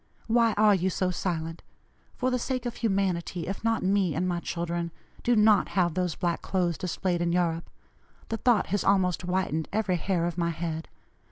Why are you so silent? For the sake of humanity, if not me and my children, do not have those black clothes displayed in Europe. The thought has almost whitened every hair of my head.